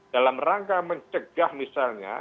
dalam rangka mencegah misalnya